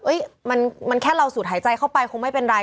มันแค่เราสูดหายใจเข้าไปคงไม่เป็นไร